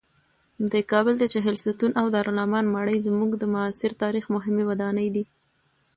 د کابل د چهلستون او دارالامان ماڼۍ زموږ د معاصر تاریخ مهمې ودانۍ دي.